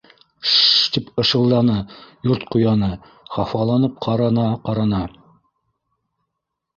—Ш-ш-ш, —тип ышылданы Йорт ҡуяны, хафаланып ҡара- на-ҡарана.